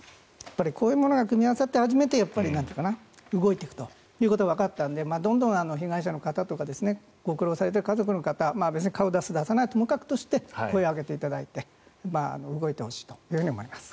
こういうものが組み合わさって初めて動いていくことがわかったのでどんどん、被害者の方とかご苦労された家族の方別に顔を出す出さないはともかくとして声を上げて動いてほしいと思います。